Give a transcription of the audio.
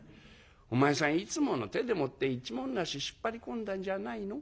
お前さんいつもの手でもって一文無し引っ張り込んだんじゃないの？」。